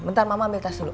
bentar mama ambil kas dulu